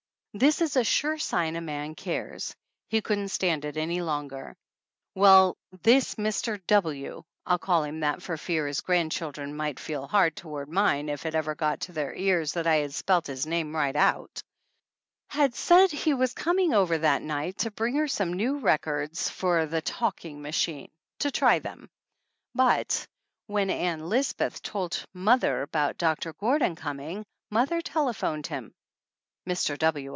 This is a sure sign a man cares. He couldn't stand it any longer. Well this Mr. W. (I'll call him that for fear his grandchildren might feel hard toward mine if it ever got to their ears that I had spelt his name right out) had said he was coming over that night to bring some new records for the talking machine, to try them; but, when Ann Lisbeth told mother about Doctor Gordon coming, mother telephoned him, Mr. W.